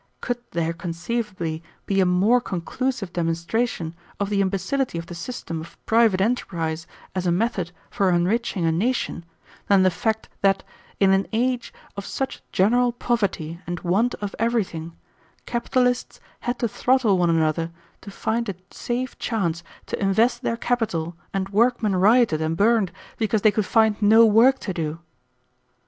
Could there conceivably be a more conclusive demonstration of the imbecility of the system of private enterprise as a method for enriching a nation than the fact that, in an age of such general poverty and want of everything, capitalists had to throttle one another to find a safe chance to invest their capital and workmen rioted and burned because they could find no work to do?